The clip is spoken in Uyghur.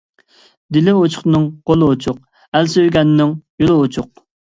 دىلى ئوچۇقنىڭ قولى ئوچۇق، ئەل سۆيگەننىڭ يولى ئوچۇق.